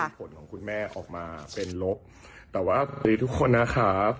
ผลของคุณแม่ออกมาเป็นลบแต่ว่าฟรีทุกคนนะครับ